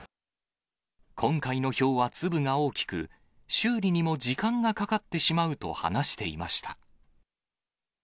今回のひょうは粒が大きく、修理にも時間がかかってしまうと話していました。